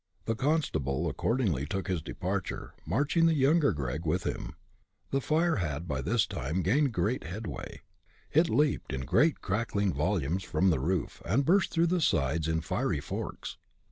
The constable accordingly took his departure, marching the younger Gregg with him. The fire had by this time gained great headway. It leaped in great crackling volumes from the roof, and burst through the sides in fiery forks.